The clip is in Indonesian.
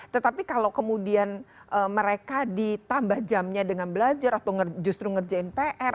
tetapi kalau kemudian mereka ditambah jamnya dengan belajar atau justru ngerjain pr